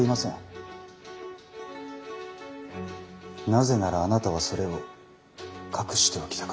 なぜならあなたはそれを隠しておきたかった。